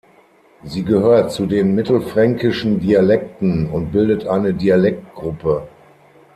Sie gehört zu den mittelfränkischen Dialekten und bildet eine Dialektgruppe.